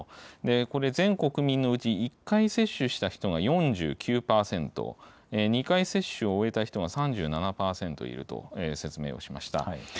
これ、全国民のうち１回接種した人が４９％、２回接種を終えた人が３７％いると説明をしました。